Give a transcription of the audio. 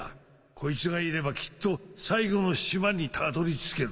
こいつがいればきっと最後の島にたどりつける。